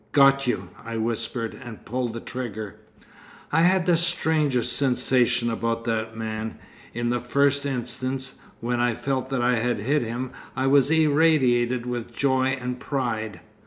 "Got you," I whispered, and pulled the trigger. 'I had the strangest sensations about that man. In the first instance, when I felt that I had hit him I was irradiated with joy and pride....